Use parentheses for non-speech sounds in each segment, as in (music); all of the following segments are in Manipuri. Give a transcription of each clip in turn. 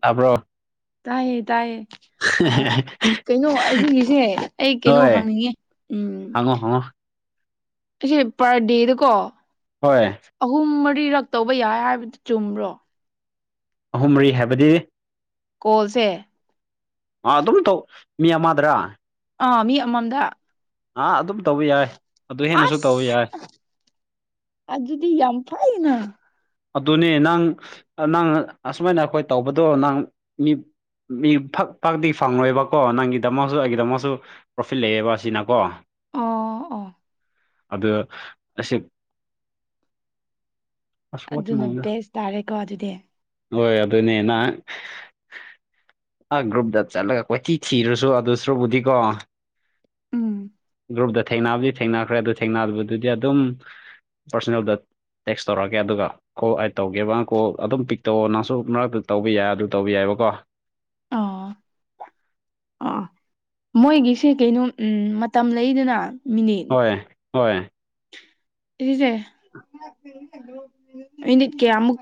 ꯇꯕ꯭ꯔꯕ ꯇꯥꯏꯌꯦ ꯇꯥꯏꯌꯦ ꯑ ꯀꯩꯅꯣ ꯑꯁꯤꯒꯤꯁꯦ ꯑꯩ ꯀꯩꯅꯣ ꯍꯣꯏ ꯍꯪꯅꯤꯡꯉꯦ ꯎꯝ ꯍꯪꯉꯣ ꯍꯪꯉꯣ ꯑꯩꯁꯦ ꯄꯔꯗꯦꯗꯀꯣ ꯍꯣꯏ ꯑꯍꯨꯝ ꯃꯔꯤꯔꯛ ꯇꯧꯕ ꯌꯥꯏ ꯍꯥꯏꯕꯗꯨ ꯆꯨꯝꯕ꯭ꯔꯣ ꯑꯍꯨꯝ ꯃꯔꯤ ꯍꯥꯏꯕꯗꯤ ꯀꯣꯜꯁꯦ ꯑꯥ ꯑꯗꯨꯝ ꯇꯧ ꯃꯤ ꯑꯃꯗ꯭ꯔꯥ ꯑꯥ ꯃꯤ ꯑꯃꯃꯝꯗ ꯑꯥ ꯑꯗꯨꯝ ꯇꯧꯕ ꯌꯥꯏ ꯑꯗꯨ ꯍꯦꯟꯅꯁꯨ ꯇꯧꯕ ꯑꯁ ꯌꯥꯏ ꯑꯗꯨꯗꯤ ꯌꯥꯝꯝ ꯐꯥꯏꯅ ꯑꯗꯨꯅꯦ ꯅꯪ ꯅꯪ ꯑꯁꯨꯃꯥꯏꯅ ꯑꯩꯈꯣꯏ ꯇꯧꯕꯗꯣ ꯅꯪ ꯃꯤ ꯃꯤ ꯐꯛ ꯐꯛꯇꯤ ꯐꯪꯂꯣꯏꯕꯀꯣ ꯅꯪꯒꯤꯗꯃꯛꯁꯨ ꯑꯩꯒꯤꯗꯃꯛꯃꯁꯨ ꯄ꯭ꯔꯣꯐꯤꯠ ꯂꯩꯑꯕ ꯑꯁꯤꯅꯀꯣ ꯑꯣ ꯑꯣ ꯑꯗ ꯑꯁꯤꯁꯦ ꯑꯗꯨꯅ ꯕꯦꯁ ꯇꯥꯔꯦꯀꯣ ꯑꯗꯨꯗꯤ ꯍꯣꯏ ꯑꯗꯨꯅꯦ ꯅꯍ ꯑ ꯒ꯭ꯔꯨꯞꯗ ꯆꯠꯂꯒ ꯀꯣꯏꯊꯤ ꯊꯤꯔꯨꯁꯨ ꯑꯗꯨ ꯁ꯭ꯔꯨꯕꯨꯗꯤꯀꯣ ꯎꯝ ꯭ꯔꯕꯗ ꯊꯦꯡꯅꯕꯗꯤ ꯊꯦꯡꯅꯈ꯭ꯔꯦ ꯑꯗꯨ ꯊꯦꯡꯅꯕꯗꯨꯗꯤ ꯑꯗꯨꯝ ꯄꯥꯔꯁꯣꯅꯦꯜꯗ ꯇꯦꯛꯁ ꯇꯧꯔꯛꯑꯒꯦ ꯑꯣꯀꯦ ꯑꯗꯨꯒ ꯀꯣꯜ ꯑꯩꯠ ꯇꯧꯒꯦꯕ ꯀꯣꯜ ꯑꯗꯨꯝ ꯄꯤꯛ ꯇꯧꯑꯣ ꯅꯪꯁꯨ ꯃꯔꯛꯇ ꯇꯧꯕ ꯌꯥꯏ ꯑꯗꯨ ꯇꯧꯕ ꯌꯥꯏꯕꯀꯣ (unintelligible) ꯑ ꯃꯣꯏꯒꯤꯁꯦ ꯀꯩꯅꯣ ꯎꯝ ꯃꯇꯝ ꯂꯩꯗꯅ ꯃꯤꯅꯤꯠ ꯍꯣꯢ ꯍꯣꯢ ꯏꯁꯦ ꯃꯤꯅꯤꯠ ꯀꯌꯥꯃꯨꯛ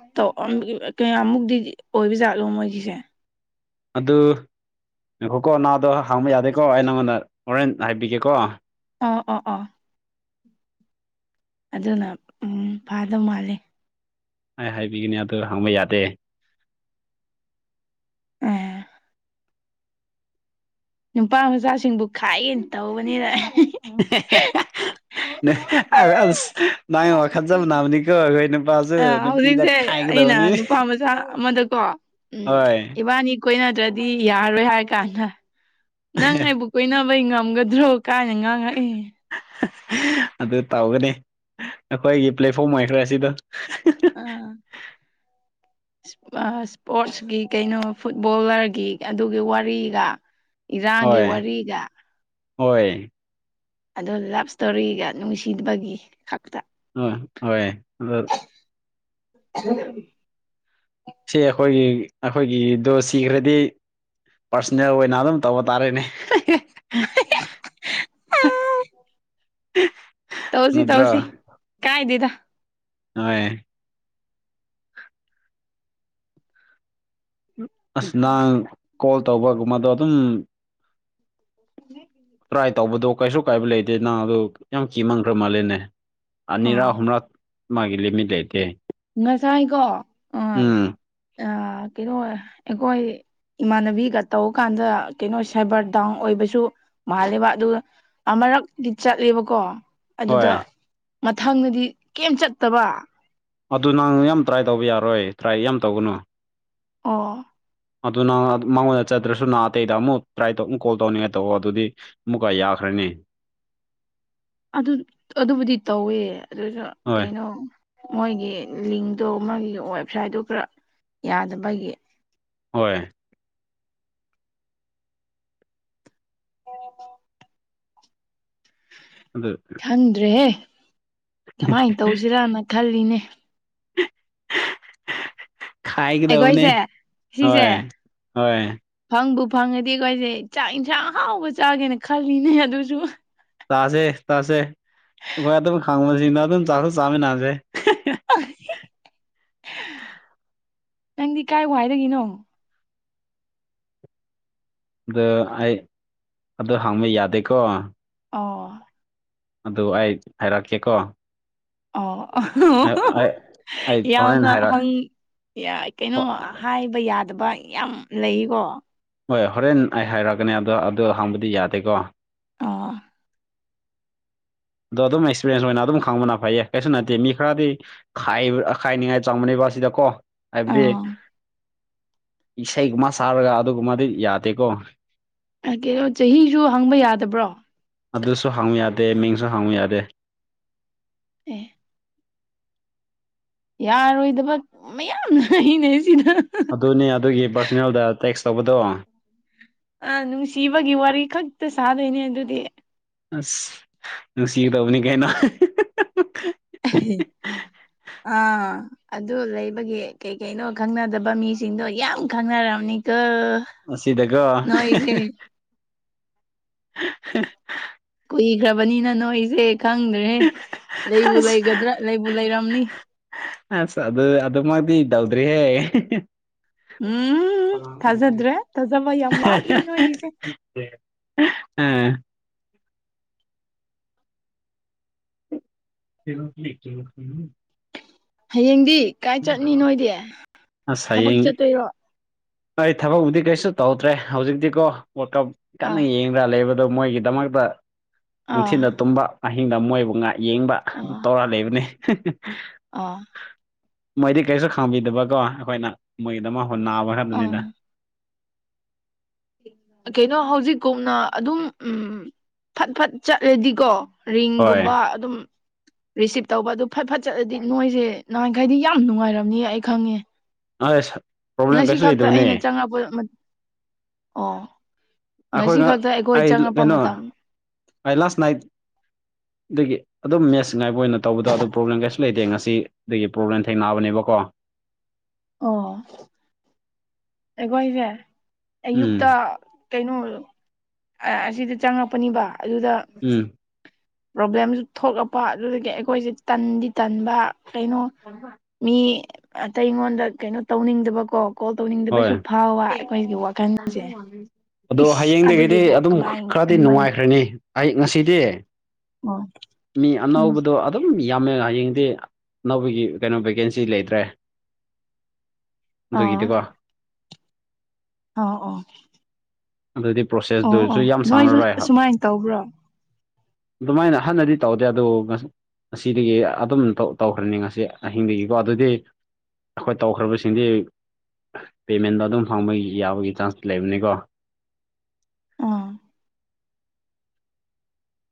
ꯀꯌꯥꯃꯨꯛꯇꯤ ꯑꯣꯏꯕꯖꯥꯠꯂꯣ ꯃꯣꯏꯒꯤꯁꯦ ꯑꯗꯨ ꯌꯦꯡꯈꯣꯀꯣ ꯅꯥꯗꯣ ꯍꯥꯡꯕ ꯌꯥꯗꯦꯀꯣ ꯑꯩ ꯅꯪꯉꯣꯟꯗ ꯍꯣꯔꯦꯟ ꯍꯥꯏꯕꯤꯒꯦꯀꯣ ꯑꯣ ꯑꯣ ꯑꯗꯨꯅ ꯐꯥꯗꯧ ꯃꯥꯜꯂꯤ ꯑꯩ ꯍꯥꯏꯕꯤꯒꯅꯤ ꯑꯗꯨ ꯍꯪꯕ ꯌꯥꯗꯦ (unintelligible) ꯅꯨꯄꯥ ꯃꯆꯥꯁꯤꯡꯕꯨ ꯈꯥꯏꯑꯦꯅ ꯇꯧꯕꯅꯤꯕ ꯅꯪꯒ ꯋꯥꯈꯜ ꯆꯥꯄ ꯃꯟꯅꯕꯅꯤꯀꯣ ꯑꯩꯈꯣꯏ ꯑꯣꯏꯅ ꯑ ꯍꯧꯖꯤꯛꯁꯦ ꯑꯩꯅ ꯅꯨꯄꯥ ꯃꯆꯥ ꯑꯃꯗꯀꯣ ꯎꯝ ꯍꯣꯏ ꯏꯕꯥꯅꯤ ꯈꯣꯏꯅꯗ꯭ꯔꯗꯤ ꯌꯥꯔꯔꯣꯏ ꯍꯥꯏ ꯀꯥꯟꯗ ꯅꯪ ꯑꯩꯕꯨ ꯀꯣꯏꯅꯕꯩ ꯉꯝꯒꯗ꯭ꯔꯣ ꯀꯥꯏꯅ ꯉꯥꯡꯉꯛꯏ ꯑꯗꯨ ꯇꯧꯒꯅꯤ ꯑꯩꯈꯣꯏꯒꯤ ꯄ꯭ꯂꯦꯠꯐꯣꯝ ꯑꯣꯏꯈ꯭ꯔꯦ ꯁꯤꯗꯣ ꯑꯥ ꯏꯁꯄꯣꯔꯠꯁꯀꯤ ꯀꯩꯅꯣ ꯐꯨꯠꯕꯣꯂꯔꯒꯤ ꯑꯗꯨꯒꯤ ꯋꯥꯔꯤꯒ ꯏꯔꯥꯡꯒꯤ ꯍꯣꯏ ꯋꯥꯔꯤꯒ ꯍꯣꯏ ꯑꯗꯨ ꯂꯞ ꯏꯁꯇꯣꯔꯤꯒ ꯅꯨꯡꯁꯤꯕꯒꯤ ꯈꯛꯇ ꯑ ꯍꯣꯏ ꯑꯗꯨ ꯍ ꯁꯤ ꯑꯩꯈꯣꯏꯒꯤ ꯑꯩꯈꯣꯏꯒꯤꯗꯣ ꯁꯤꯈ꯭ꯔꯗꯤ ꯄꯥꯔꯁꯣꯅꯦꯜ ꯑꯣꯏꯅ ꯑꯗꯨꯝ ꯇꯧꯕ ꯇꯥꯔꯦꯅꯦ ꯑ ꯎꯝ ꯇꯧꯁꯤ ꯇꯧꯁꯤ ꯀꯥꯏꯗꯦꯗ ꯑꯣꯏ ꯑꯁ ꯅꯍꯥꯟ ꯀꯣꯜ ꯇꯧꯕꯒꯨꯝꯕꯗꯣ ꯑꯗꯨꯝ (inaudible) ꯇ꯭ꯔꯥꯏ ꯇꯧꯕꯗꯣ ꯀꯩꯁꯨ ꯀꯥꯏꯕ ꯂꯩꯇꯦ ꯅꯪ ꯑꯗꯨ ꯌꯥꯝ ꯀꯤ ꯃꯪꯈ꯭ꯔ ꯃꯥꯜꯂꯦꯅꯦ ꯑꯅꯤꯔ ꯑꯣ ꯍꯨꯝ꯭ꯔ ꯃꯥꯒꯤꯂꯤꯃꯤ ꯂꯩꯇꯦ ꯉꯁꯥꯏꯀꯣ ꯎꯝ ꯑ ꯀꯩꯅꯣ ꯑꯩꯈꯣꯏ ꯏꯃꯥꯟꯅꯕꯤꯒ ꯇꯧꯕ ꯀꯥꯟꯗ ꯀꯩꯅꯣ ꯁꯥꯏꯕꯔ ꯗꯥꯎꯟ ꯑꯣꯏꯕꯁꯨ ꯃꯥꯂꯦꯕ ꯑꯗꯨ ꯑꯃꯨꯔꯛꯇꯤ ꯆꯠꯂꯦꯕꯀꯣ ꯍꯣꯏ ꯑꯗꯨꯗ ꯃꯊꯪꯗꯗꯤ ꯀꯦꯝꯝ ꯆꯠꯇꯕ ꯑꯗꯨ ꯅꯪ ꯌꯥꯝ ꯇ꯭ꯔꯥꯏ ꯇꯧꯕ ꯌꯥꯔꯣꯏ ꯇ꯭ꯔꯥꯏ ꯌꯥꯝ ꯇꯧꯒꯅꯨ ꯑꯣ ꯑꯗꯨ ꯅꯪ ꯃꯉꯣꯟꯗ ꯆꯠꯇ꯭ꯔꯁꯨ ꯅꯍ ꯑꯇꯩꯗ ꯑꯃꯨꯛ ꯇ꯭ꯔꯥꯏ ꯇ ꯑꯃꯨꯛ ꯀꯣꯜ ꯇꯧꯅꯤꯡꯉꯥꯏ ꯇꯧꯕ ꯑꯗꯨꯗꯤ ꯃꯀꯥꯏ ꯑꯈꯔꯅꯦ ꯑꯗꯨ ꯑꯗꯨꯕꯨꯗꯤ ꯇꯧꯋꯦ ꯑꯗꯨ ꯍꯣꯏ ꯀꯩꯅꯣ ꯃꯣꯏꯒꯤ ꯂꯤꯡꯇꯣ ꯃꯣꯏꯒꯤ ꯋꯦꯕꯁꯥꯏꯠꯇꯣ ꯈꯔ ꯌꯥꯗꯕꯒꯤ ꯍꯣꯏ ꯑꯣ ꯑꯗꯨꯗ ꯈꯪꯗ꯭ꯔꯦꯍꯦ ꯀꯃꯥꯏꯅ ꯇꯧꯁꯤꯔꯅ ꯈꯜꯂꯤꯅꯦ ꯈꯥꯏꯒꯗꯧꯕꯅꯦ ꯑꯩꯒꯣꯏꯁꯦ ꯁꯤꯁꯦ ꯍꯣꯏ ꯍꯣꯏ ꯐꯪꯕꯨ ꯐꯪꯉꯗꯤ ꯑꯩꯈꯣꯏꯁꯦ ꯆꯥꯛ ꯏꯟꯁꯥꯡ ꯍꯥꯎꯕ ꯆꯥꯒꯦꯅ ꯈꯜꯂꯤꯅꯦ ꯑꯗꯨꯁꯨ ꯆꯥꯁꯦ ꯆꯥꯁꯦ ꯑꯩꯈꯣꯏ ꯑꯗꯨꯝ ꯈꯪꯕꯁꯤꯡꯗ ꯑꯗꯨꯝ ꯆꯥꯛꯁꯨ ꯆꯥꯃꯤꯟꯅꯁꯦ ꯅꯪꯗꯤ ꯀꯥꯏ ꯋꯥꯏꯗꯒꯤꯅꯣ ꯑ ꯑꯩ ꯑꯗꯨ ꯍꯥꯡꯕ ꯌꯥꯗꯦꯀꯣ ꯑꯣ ꯑꯗꯨ ꯑꯩ ꯍꯥꯏꯔꯛꯀꯦꯀꯣ ꯑꯣ ꯑꯩ ꯑꯩ ꯍꯣꯔꯦꯟ ꯌꯥꯝꯅ ꯍꯥꯏꯔꯛ ꯍꯪ ꯀꯩꯅꯣ ꯍꯣꯏ ꯍꯥꯏꯕ ꯌꯥꯗꯕ ꯌꯥꯝ ꯂꯩꯀꯣ ꯍꯣꯏ ꯍꯣꯔꯦꯟ ꯑꯩ ꯍꯥꯏꯔꯛꯑꯀꯅꯤ ꯑꯗꯣ ꯑꯗꯣ ꯍꯥꯡꯕꯗꯤ ꯌꯥꯗꯦꯀꯣ ꯑꯣ ꯑꯗꯣ ꯑꯗꯨꯝ ꯑꯦꯛꯁꯄꯤꯔꯦꯟꯁ ꯑꯣꯏꯅ ꯑꯗꯨꯝ ꯈꯪꯕꯅ ꯐꯩꯌꯦ ꯀꯩꯁꯨ ꯅꯠꯇꯦ ꯃꯤ ꯈꯔꯗꯤ ꯑꯈꯥꯏꯅꯤꯉꯥꯏ ꯆꯪꯕꯅꯦꯕ ꯁꯤꯗꯀꯣ ꯍꯥꯏꯕꯗꯤ ꯑꯥ ꯏꯁꯩꯒꯨꯝꯕ ꯁꯔꯒ ꯑꯗꯨꯒꯨꯝꯕꯗꯤ ꯌꯥꯗꯦꯀꯣ ꯀꯩꯅꯣ ꯆꯍꯤꯁꯨ ꯍꯪꯕ ꯌꯥꯗꯕ꯭ꯔꯣ ꯑꯗꯨꯁꯨ ꯍꯥꯡꯉꯨ ꯌꯥꯗꯦ ꯃꯤꯡꯁꯨ ꯍꯥꯡꯉꯨ ꯌꯥꯗꯦ ꯑꯦ ꯌꯥꯔꯣꯏꯗꯕ ꯃꯌꯥꯝꯅ ꯍꯅꯦꯩ ꯁꯤꯗ ꯑꯗꯨꯅꯦ ꯑꯗꯨꯒꯤ ꯄꯥꯔꯁꯣꯅꯦꯜꯗ ꯇꯦꯛꯁ ꯇꯧꯕꯗꯣ ꯑ ꯅꯨꯡꯁꯤꯕꯒꯤ ꯋꯥꯔꯤ ꯈꯛꯇ ꯁꯥꯗꯣꯏꯅꯦ ꯑꯗꯨꯗꯤ ꯑꯁ ꯅꯨꯡꯁꯤꯒꯗꯕꯅꯤ ꯀꯩꯅꯣ ꯑꯥ ꯑꯗꯨ ꯂꯩꯕꯒꯤ ꯀꯩ ꯀꯩꯅꯣ ꯈꯪꯅꯗꯕ ꯃꯤꯁꯤꯡꯗꯣ ꯌꯥꯝ ꯈꯪꯅꯝꯅꯤꯀꯜ ꯑꯁꯤꯗꯒ ꯍ ꯀꯨꯏꯈ꯭ꯔꯕꯅꯤꯅ ꯅꯣꯏꯁꯦ ꯈꯪꯗ꯭ꯔꯦ ꯂꯩꯕꯨ ꯑꯁ ꯂꯩꯒꯗ꯭ꯔꯥ ꯂꯩꯕꯨ ꯂꯩꯔꯝꯅꯤ ꯑꯁ ꯑꯗꯨ ꯑꯗꯨꯃꯗꯤ ꯏꯗꯧꯗ꯭ꯔꯤꯍꯦ ꯎꯝ ꯊꯥꯖꯗ꯭ꯔꯦ ꯊꯥꯖꯕ ꯌꯥꯝ ꯋꯥꯠꯂꯤ ꯅꯣꯏꯒꯤꯁꯦ (unintelligible) ꯎꯝ ꯐꯔ ꯂ ꯎ ꯍꯌꯦꯡꯗꯤ ꯀꯥꯏ ꯆꯠꯅꯤ ꯅꯣꯏꯗꯤ ꯑꯁ ꯊꯕꯛ ꯍꯌꯦꯡ ꯆꯠꯇꯣꯏꯔꯣ ꯑꯩ ꯊꯕꯛꯄꯨꯗꯤ ꯀꯩꯁꯨ ꯇꯧꯗ꯭ꯔꯦ ꯍꯧꯖꯤꯛꯇꯤꯀꯣ ꯋꯥꯀꯞ ꯀꯟꯅ ꯑꯥ ꯌꯦꯡꯉ ꯈ ꯂꯩꯕꯗꯣ ꯃꯣꯏꯒꯤꯗꯃꯛꯇ ꯑꯥ ꯅꯨꯡꯊꯤꯅ ꯇꯨꯝꯕ ꯃꯍꯤꯡꯗ ꯃꯣꯏꯕꯨ ꯉꯥꯏ ꯌꯦꯡꯕ ꯑꯗꯨ ꯇꯧꯔ ꯂꯩꯕꯅꯦ ꯑꯣꯥ ꯃꯣꯏꯗꯤ ꯀꯩꯁꯨ ꯈꯥꯡꯝꯕꯤꯗꯕꯀꯣ ꯑꯩꯈꯣꯏꯅ ꯃꯣꯏꯒꯤꯗꯃ ꯍ ꯅꯥꯕ ꯑꯥ ꯈꯛꯇꯅꯤꯅ ꯀꯩꯅꯣ ꯍꯧꯖꯤꯛꯀꯧꯅ ꯑꯗꯨꯝ ꯎꯝ ꯐꯠ ꯐꯠ ꯆꯠꯂꯗꯤꯀꯣ ꯍꯣꯏ ꯔꯤꯡꯒꯨꯝꯕ ꯑꯗꯨꯝ ꯔꯤꯁꯤꯞ ꯇꯧꯕ ꯑꯗꯨ ꯐ ꯐꯠ ꯆꯠꯂꯗꯤ ꯅꯣꯏꯁꯦ ꯅꯍꯥꯟꯈꯩꯗꯤ ꯌꯥꯝ ꯅꯨꯡꯉꯥꯏꯔꯝꯅꯤ ꯑꯩ ꯈꯪꯉꯦ ꯑꯁ ꯄ꯭ꯔꯣꯕ꯭ꯂꯦꯝ ꯉꯁꯤ ꯀꯩꯁꯨ ꯈꯛꯇ ꯂꯩꯇꯕꯅꯦ ꯑꯩꯅ ꯆꯪꯉꯛꯄ ꯑꯣ ꯑꯩꯈꯣꯏ ꯉꯁꯤ ꯉ ꯈꯛꯇ ꯑꯩꯈꯣꯏ ꯑꯩ ꯆꯪꯉꯛꯄ ꯀꯩꯅꯣ ꯃꯇꯝ ꯑꯩ ꯂꯥꯁ ꯅꯥꯏꯠ ꯗꯒꯤ ꯑꯗꯨꯝ ꯃꯦꯠꯁ ꯉꯥꯏꯕ ꯑꯣꯏꯅ ꯇꯧꯕꯗꯣ ꯑꯗꯨꯣ ꯄ꯭ꯔꯣꯕ꯭ꯂꯦꯝ ꯀꯩꯁꯨ ꯂꯩꯇꯦ ꯉꯁꯤꯗꯒꯤ ꯄ꯭ꯔꯣꯕ꯭ꯂꯦꯝ ꯊꯦꯡꯅꯑꯕꯅꯦꯕꯀꯣ ꯑꯣ ꯑꯩꯈꯣꯏꯁꯦ ꯎꯝ ꯑꯌꯨꯛꯇ ꯀꯩꯅꯣ ꯑ ꯑꯁꯤꯗ ꯆꯪꯉꯛꯄꯅꯤꯕ ꯑꯗꯨꯗ ꯎꯝ ꯄ꯭ꯔꯣꯕ꯭ꯂꯦꯝꯁꯨ ꯊꯣꯛꯂꯛꯄ ꯑꯗꯨꯗꯒꯤ ꯑꯩꯈꯣꯏꯁꯦ ꯇꯟꯗꯤ ꯇꯟꯕ ꯀꯩꯅꯣ (inaudible) ꯃꯤ ꯑꯇꯩ ꯑꯩꯉꯣꯟꯗ ꯀꯩꯅꯣ ꯇꯧꯅꯤꯡꯗꯕꯀꯣ ꯀꯣꯜ ꯇꯧꯅꯤꯡ ꯍꯣꯏ (unintelligible) ꯑꯗꯣ ꯏꯁ ꯍꯌꯦꯡꯗꯒꯤꯗꯤ ꯑꯗꯨꯒꯤꯕꯨ ꯑꯗꯨꯝ ꯀꯃꯥꯏ ꯈꯔꯗꯤ ꯑꯗꯨꯃꯥꯏ ꯅꯨꯡꯉꯥꯏꯈ꯭ꯔꯅꯤ ꯑꯩ ꯉꯁꯤꯗꯤ ꯑꯣ ꯃꯤ ꯎꯝ ꯑꯅꯧꯕꯗꯣ ꯑꯗꯨꯝ ꯌꯥꯝꯃꯦ ꯍꯌꯦꯡꯗꯤ ꯑꯅꯧꯕꯒꯤ ꯀꯩꯅꯣ ꯚꯦꯀꯦꯟꯁꯤ ꯂꯩꯇ꯭ꯔꯦ ꯑꯗꯨꯒꯤꯗꯤꯀꯣ ꯑ ꯑꯣ ꯑꯗꯨꯗꯤ ꯑꯣ ꯑꯣ ꯄ꯭ꯔꯣꯁꯦꯁꯇꯨꯁꯨ ꯌꯥꯝ ꯅꯣꯏꯁꯨ ꯁꯥꯡꯅꯔꯣꯏ ꯁꯨꯃꯥꯏꯅ ꯇꯧꯕ꯭ꯔꯣ ꯑꯗꯨꯃꯥꯏꯅ ꯍꯟꯅꯗꯤ ꯇꯧꯗꯦ ꯑꯗꯨꯕꯨ ꯉꯁꯤ ꯑꯁꯤꯗꯒꯤ ꯑꯗꯨꯝ ꯇꯧꯈ꯭ꯔꯅꯤ ꯉꯁꯤ ꯑꯍꯤꯡꯗꯒꯤꯀꯣ ꯑꯗꯨꯗꯤ ꯑꯩꯈꯣꯏ ꯇꯧꯈ꯭ꯔꯕꯁꯤꯡꯗꯤ ꯄꯦꯃꯦꯟꯗꯣ ꯑꯗꯨꯝ ꯐꯪꯕ ꯌꯥꯕꯒꯤ ꯆꯥꯟꯁ ꯂꯩꯕꯅꯤꯀꯣ ꯑꯥ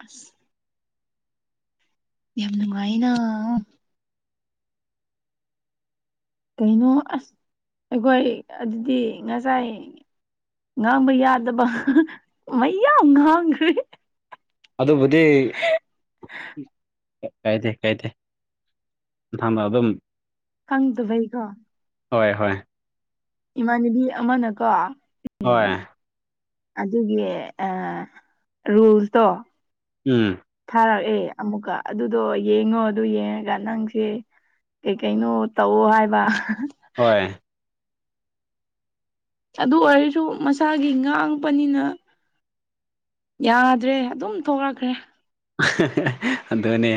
ꯎꯝ ꯌꯥꯝ ꯅꯨꯡꯉꯥꯏꯅ ꯀꯩꯅꯣ ꯑꯁ ꯑꯩꯈꯣꯏ ꯑꯗꯨꯗꯤ ꯉꯁꯥꯏ ꯉꯥꯡꯕ ꯌꯥꯗꯕ ꯃꯌꯥꯝ ꯉꯥꯡꯈ꯭ꯔꯦ ꯑꯗꯨꯕꯨꯗꯤ ꯀꯥꯏꯗꯦ ꯀꯥꯏꯗꯦ ꯊꯃ ꯑꯗꯨꯝ ꯈꯪꯗꯕꯩꯀꯣ ꯍꯣꯏ ꯍꯣꯏ ꯏꯃꯥꯟꯅꯕꯤ ꯑꯃꯅꯀꯣ ꯎꯝ ꯍꯣꯏ ꯑꯗꯨꯒꯤ ꯑ ꯔꯨꯜꯇꯣ ꯎꯝ ꯊꯥꯔꯛꯑꯦ ꯑꯃꯨꯛꯀ ꯑꯗꯨꯗꯣ ꯌꯦꯡꯉꯣ ꯑꯗꯨ ꯌꯦꯡꯉꯒ ꯅꯪꯁꯦ ꯀꯩ ꯀꯩꯅꯣ ꯇꯧꯑꯣ ꯍꯥꯏꯕ ꯍꯣꯏ ꯑꯗꯨ ꯑꯣꯏꯔꯁꯨ ꯃꯁꯥꯒꯤ ꯉꯥꯡꯄꯅꯤꯅ ꯌꯥꯗ꯭ꯔꯦ ꯑꯗꯨꯝ ꯊꯣꯛꯂꯛꯈ꯭ꯔꯦ (unintelligible) ꯑꯗꯨꯅꯦ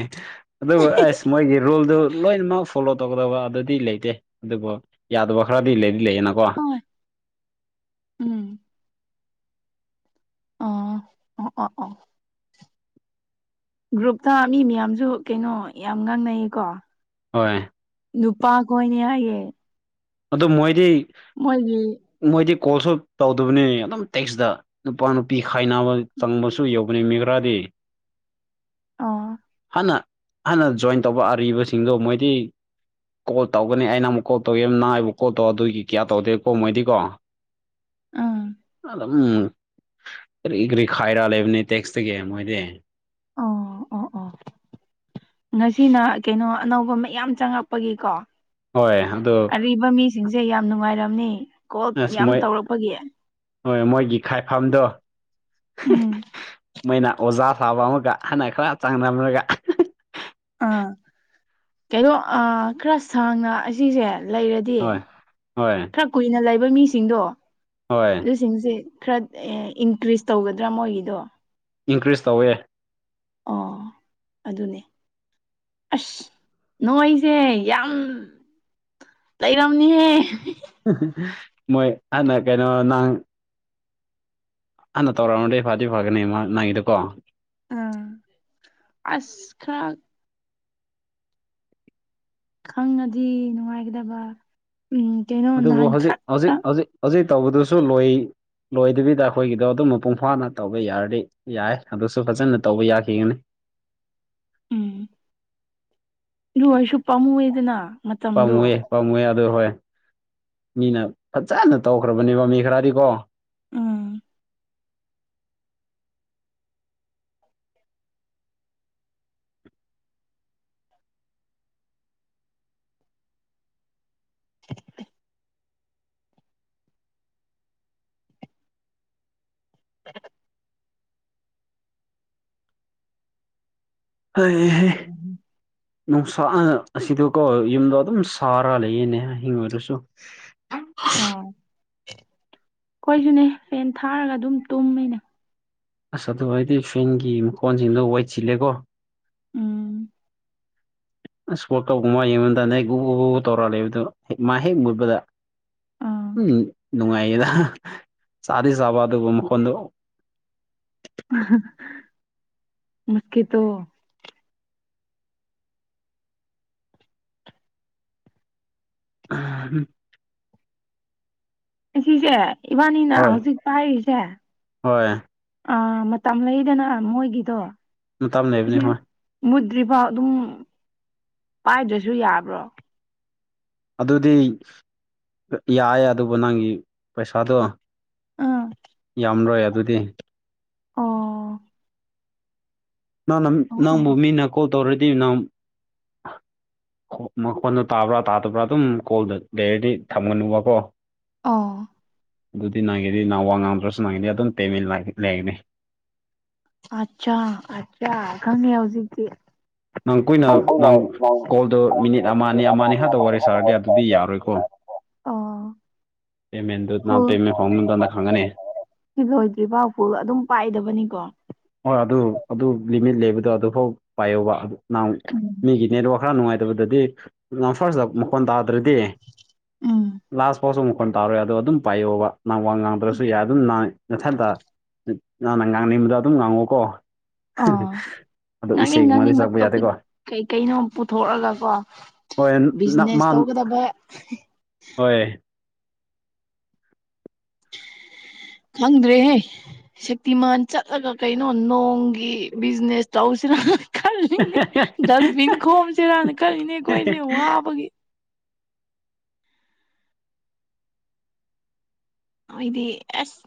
ꯑꯗꯨꯕꯨ ꯑꯁ ꯃꯣꯏꯒꯤ ꯔꯨꯜꯗꯨ ꯂꯣꯏꯅꯃꯛ ꯐꯣꯂꯣꯠ ꯇꯧꯒꯗꯕꯗꯗꯤ ꯂꯩꯇꯦ ꯑꯗꯨꯕꯨ ꯌꯥꯗꯕ ꯈꯔꯗꯤ ꯂꯩꯗꯤ ꯂꯩꯌꯦꯅꯀꯣ ꯍꯣꯏ ꯎꯝ ꯑꯥ ꯑꫭ ꯑꫭ ꯑꫭ ꯒ꯭ꯔꯨꯞꯇ ꯃꯤ ꯃꯌꯥꯝꯁꯨ ꯀꯩꯅꯣ ꯌꯥꯝ ꯉꯥꯡꯅꯩꯌꯦꯀꯣ ꯍꯣꯏ ꯅꯨꯄꯥꯈꯣꯏꯅꯦ ꯍꯥꯏꯌꯦ ꯑꯗꯨ ꯃꯣꯏꯗꯤ ꯃꯣꯏꯒꯤ ꯃꯣꯏꯗꯤ ꯀꯣꯜꯁꯨ ꯇꯧꯗꯕꯅꯤ ꯑꯗꯨꯝ ꯇꯦꯛꯁꯗ ꯅꯨꯄꯥ ꯅꯨꯄꯤ ꯈꯥꯏꯅꯕ ꯆꯪꯕꯁꯨ ꯌꯧꯕꯅꯤ ꯃꯦꯒ꯭ꯔꯥꯗꯤ ꯑꫭ ꯍꯅ ꯍꯥꯟꯅ ꯖꯣꯏꯟ ꯇꯧꯕ ꯑꯔꯤꯕꯁꯤꯡꯗꯣ ꯃꯣꯏꯗꯤ ꯀꯣꯜ ꯇꯧꯒꯅꯤ ꯑꯩꯅ ꯑꯃꯨꯛ ꯀꯣꯜ ꯇꯧꯏ ꯅꯥꯏꯕ ꯀꯣꯠꯇꯣ ꯑꯗꯨꯒꯤ ꯀꯌꯥ ꯇꯧꯗꯦꯀꯣ ꯃꯣꯏꯗꯤ ꯀꯣ (unintelligible) ꯎꯝ ꯎꯝ ꯀꯔꯤ ꯀꯔꯤ ꯈꯥꯏꯔꯥ ꯂꯩꯕꯅꯤ ꯇꯦꯛꯁꯇꯒꯤ ꯃꯣꯏꯗꯤ ꯑꯣ ꯑꯣ ꯑꯣ (inaudible) ꯉꯁꯤꯅ ꯀꯩꯅꯣ ꯑꯅꯧꯕ ꯃꯌꯥꯝ ꯆꯪꯉꯛꯄꯒꯤꯀꯣ ꯍꯣꯏ ꯑꯗꯣ ꯑꯔꯤꯕ ꯃꯤꯁꯤꯡꯁꯦ ꯌꯥꯝ ꯅꯨꯡꯉꯥꯏꯔꯝꯅꯤ ꯀꯣꯜ ꯑꯁ ꯌꯥꯝ ꯃꯣꯏ ꯇꯧꯔꯛꯄꯒꯤ ꯍꯣꯏ ꯃꯣꯏꯒꯤ ꯈꯥꯏꯐꯝꯗꯣ ꯎꯝ ꯃꯩꯅꯥ ꯑꯣꯖꯥ ꯊꯥꯕ ꯑꯃꯒ ꯍꯅ ꯈꯔ ꯆꯥꯡ (unintelligible) ꯑꯥ ꯀꯩꯅꯣ ꯈꯔ ꯁꯥꯡꯅ ꯑꯁꯤꯁꯦ ꯂꯩꯔꯗꯤ ꯍꯣꯏ ꯍꯣꯏ ꯈꯔ ꯀꯨꯏꯅ ꯂꯩꯕ ꯃꯤꯁꯤꯡꯗꯣ ꯍꯣꯏ ꯑꯗꯨꯁꯤꯡꯁꯦ ꯈꯔ ꯏꯟꯀ꯭ꯔꯤꯖ ꯇꯧꯒꯗ꯭ꯔꯥ ꯃꯣꯏꯒꯤꯗꯣ ꯏꯟꯀ꯭ꯔꯤꯁ ꯇꯧꯋꯦ ꯑꯣ ꯑꯗꯨꯅꯦ ꯑꯁ ꯅꯣꯏꯁꯦ ꯌꯥꯝ ꯂꯩꯔꯝꯅꯤꯍꯦ ꯃꯣꯏ ꯍꯥꯟꯅ ꯀꯩꯅꯣ ꯅꯪ ꯍꯥꯟꯅ ꯇꯧꯔꯛꯑꯃꯗꯤ ꯐꯗꯤ ꯐꯒꯅꯤ ꯃꯥ ꯅꯣꯏꯒꯤꯗꯣꯀꯣ ꯎꯝ ꯑꯁ ꯈꯔ ꯈꯪꯉꯗꯤ ꯅꯨꯡꯉꯥꯏꯒꯗꯕ ꯎꯝ ꯀꯩꯅ ꯑꯗꯨꯕꯨ ꯍꯧꯖꯤꯛ ꯍꯧꯖꯤꯛ ꯍꯧꯖꯤꯛ ꯍꯧꯖꯤꯛ ꯇꯧꯕꯗꯨꯁꯨ ꯂꯣꯏ ꯂꯣꯏꯗꯕꯤꯗ ꯑꯩꯈꯣꯏꯒꯤꯗꯣ ꯑꯗꯨꯝ ꯃꯄꯨꯡ ꯐꯥꯅ ꯇꯧꯕ ꯌꯥꯔꯗꯤ ꯌꯥꯏ ꯑꯗꯨꯁꯨ ꯐꯖꯅ ꯇꯧꯕ ꯌꯥꯈꯤꯒꯅꯤ ꯎꯝ ꯂꯨ ꯑꯩꯁꯨ ꯄꯥꯝꯃꯨꯌꯦꯗꯅ ꯄꯥꯝꯃꯨꯋꯦ ꯄꯥꯃꯨꯌꯦ ꯑꯗꯣ ꯍꯣꯏ ꯃꯤꯅ ꯐꯖꯅ ꯇꯧꯈ꯭ꯔꯕꯅꯦꯕ ꯃꯤ ꯈꯔꯗꯤꯀꯣ ꯎꯝ (inaudible) ꯍꯩ ꯍꯩꯏ ꯅꯨꯡꯁꯥ ꯑꯁꯤꯗꯀꯣ ꯌꯨꯝꯗꯣ ꯑꯗꯨꯝ ꯁꯥꯔ ꯂꯩꯌꯦꯅꯦ ꯑꯍꯤꯡ ꯑꯣꯏꯔꯁꯨ (inaudible) ꯑꯣ ꯑꯩꯈꯣꯏꯁꯨꯅꯦ ꯐꯟ ꯊꯥꯔꯒ ꯑꯗꯨꯝ ꯇꯨꯝꯃꯤꯅꯦ ꯑꯁ ꯑꯗꯨ ꯑꯩꯗꯤ ꯐꯦꯟꯒꯤ ꯃꯈꫭꯟꯁꯤꯡꯗꯣ ꯋꯦꯠ ꯁꯤꯜꯂꯦꯀꯣ ꯎꯝ ꯑꯁ ꯋꯥꯜꯀꯥꯞꯒꯨꯝꯕ ꯌꯦꯡꯕꯗꯅꯦ ꯒꯨ ꯒꯨꯕ ꯇꯧꯔꯒ ꯂꯩꯕꯗꫭ ꯃꯥ ꯍꯦꯛ ꯃꯨꯠꯕꯗ ꯑꯥ ꯎꯝ ꯅꯨꯡꯉꯥꯏꯌꯦꯗ ꯆꯥꯗꯤ ꯆꯥꯕ ꯑꯗꯨꯕꯨ ꯃꯈꯣꯟꯗꯣ ꯃꯥꯠꯀꯦꯇꯣ (inaudible) ꯁꯤꯁꯦ ꯏꯕꯥꯅꯤꯅ ꯍꯣꯏ ꯍꯧꯖꯤꯛ ꯄꯥꯏꯔꯤꯁꯦ ꯍꯣꯏ ꯑꯥ ꯃꯇꯝ ꯂꯩꯗꯅ ꯃꯣꯏꯒꯤꯗꯣ ꯃꯇꯝ ꯂꯩꯕꯅꯦ ꯍꯣꯏ ꯃꯨꯠꯇ꯭ꯔꯤꯐꯥꯎ ꯑꯗꯨꯝ ꯄꯥꯏꯗ꯭ꯔꯁꯨ ꯌꯥꯕ꯭ꯔꯣ ꯑꯗꯨꯗꯤ ꯌꯥꯑꯦ ꯑꯗꯨꯕꯨ ꯅꯪꯒꯤ ꯄꯩꯁꯥꯗꯣ ꯑꯥ ꯌꯥꯝꯃꯔꯣꯏ ꯑꯗꯨꯗꯤ ꯑꯣ ꯅꯪꯅ ꯑꯣ ꯅꯪꯕꯨ ꯑꯣ ꯃꯤꯅ ꯀꯣꯜ ꯇꯧꯔꯗꯤ ꯅꯪ (inaudible) ꯃꯈꯣꯟꯗꫭ ꯇꯥꯕ꯭ꯔꯥ ꯇꯥꯗꯕ꯭ꯔꯥ ꯑꯗꯨꯝ ꯀꯣꯜꯗ ꯂꯩꯔꯗꯤ ꯊꯝꯒꯅꯨꯕꯀꯣ ꯑꯣ ꯑꯗꯨꯗꯤ ꯅꯪꯉꯒꯤꯗꯤ ꯅꯍꯥꯟꯋꯥ ꯉꯥꯡꯝꯗ꯭ꯔꯁꯨ ꯅꯪꯒꯅꯤ ꯑꯗꯨꯝ ꯄꯦꯃꯦꯟ ꯂꯩꯒꯅꯤ ꯑꯆꯥ ꯑꯆꯥ ꯈꯪꯉꯦ ꯍꯧꯖꯤꯛꯇꯤ ꯅꯪ ꯀꯨꯏꯅ ꯑꯩꯅ ꯅꯪ ꯀꯣꯜꯗꯣ ꯃꯤꯅꯤꯠ ꯑꯩꯗꯤ ꯑꯃꯅꯤ ꯑꯃ ꯑꯃꯅꯤ ꯑꯅꯤ ꯈꯗ ꯋꯥꯔꯤ ꯈꯛꯇ ꯁꯥꯔꯒꯦ ꯑꯗꯨꯗꯤ ꯁꯥꯔꯒ ꯌꯥꯔꯣꯏꯀꯣ ꯑꯣ ꯄꯃꯦꯟꯗꫭ ꯅꯪ ꯐꯨꯜ ꯄꯃꯦꯟ ꯐꯣꯕ ꯃꯇꯝꯗ ꯈꯪꯒꯅꯦ ꯁꯤ ꯂꯣꯏꯗ꯭ꯔꯤ ꯐꯥꯛ ꯄꯨ ꯑꯗꯨꯝ ꯄꯥꯏꯗꯕꯅꯤꯀꯣ ꯍꯣꯏ ꯑꯗꯨ ꯑꯗꯨ ꯂꯤꯃꯤꯠ ꯂꯩꯕꯗꯣ ꯑꯗꯨꯐꯥꯎ ꯄꯥꯏꯌꯧꯕ ꯑꯗꯨ ꯅꯍꯥꯟ ꯎꯝ ꯃꯤꯒꯤꯅꯦ ꯈꯔ ꯅꯨꯡꯉꯥꯏ ꯗꯗꯤ ꯐꯥꯔꯁꯗꯥ ꯃꯈꯣꯟ ꯇꯥꯗ꯭ꯔꯗꯤ ꯎꯝ ꯂꯥꯁ ꯐꯥꯎꯁꯨ ꯐꯣꯟ ꯇꯥꯎꯔꯦ ꯑꯗꯣ ꯑꯗꯨꯝ ꯄꯥꯏꯌꯣꯕ ꯅꯪ ꯋꯥ ꯉꯥꯡꯗ꯭ꯔꯁꯨ ꯌꯥꯏ ꯑꯗꯨꯝ ꯅꯥꯊꯟꯇꯥ ꯅꯪꯅ ꯉꯥꯡꯅꯤꯡꯕꯗꯨ ꯑꯗꯨꯝ ꯉꯥꯡꯉꯣꯀꯣ ꯑꯥ ꯑꯗꯣ ꯉꯥꯡꯅꯤꯡ ꯏꯁꯩꯒꯨꯝꯃꯗꯤ ꯉꯥꯡꯅꯤꯡꯕ ꯁꯛꯂꯛꯄ ꯇꯣꯄꯤꯛ ꯌꯥꯗꯦꯀꯣ ꯀꯩ ꯀꯩꯅꯣ ꯄꯨꯊꯣꯛꯑꯒꯀꯣ ꯍꯣꯏ ꯅ ꯕꯤꯖꯤꯅꯦꯁ ꯃꯥ ꯇꯧꯒꯗꯕ ꯍꯣꯏ ꯈꯪꯗ꯭ꯔꯦꯍꯦ ꯁꯛꯇꯤꯃꯥꯟ ꯆꯠꯂꯒ ꯀꯩꯅꯣ ꯅꯣꯡꯒꯤ ꯕꯤꯖꯤꯅꯦꯁ ꯇꯧꯁꯤꯔꯥ ꯈꯜꯂꯦ (unintelligible) ꯗꯁꯕꯤꯟ ꯈꯣꯝꯁꯤꯔꯥꯅ ꯈꯜꯂꯤꯅꯦ ꯍꯦꯍꯦ ꯑꯩꯈꯣꯏꯁꯦ ꯋꯥꯕꯒꯤ ꯈꯣꯏꯗꯤ ꯑꯁ